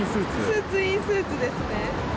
スーツ・イン・スーツですね。